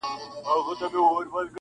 کورنۍ پرېکړه کوي په وېره,